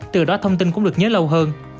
từ đó thông tin cũng được nhớ lâu hơn